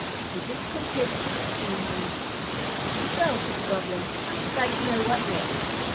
THE DISCONTENTED GUINEA HEN "Well," said the Gobbler, "I should like to know what next!